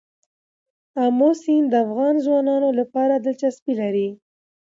آمو سیند د افغان ځوانانو لپاره دلچسپي لري.